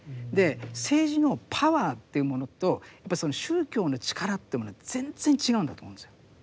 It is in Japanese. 政治のパワーというものとやっぱりその宗教の力というものは全然違うんだと思うんですよ。